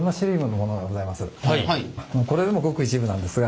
これでもごく一部なんですが。